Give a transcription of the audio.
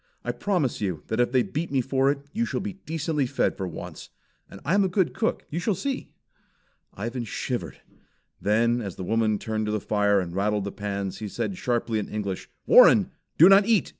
I promise you that if they beat me for it you shall be decently fed for once. And I am a good cook; you shall see!" Ivan shivered. Then as the woman turned to the fire and rattled the pans, he said sharply in English: "Warren, do not eat!"